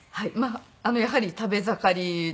やはり食べ盛りなので。